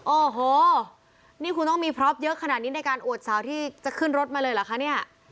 โอ้โหนี่คุณต้องมีพร็อปเยอะขนาดนี้ในการอวดสาวที่จะขึ้นรถมาเลยเหรอคะเนี่ย